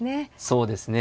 そうですね。